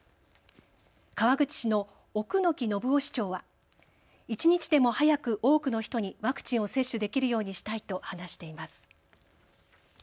川口市の奥ノ木信夫市長は一日でも早く多くの人にワクチンを接種できるようにしたいと話しています。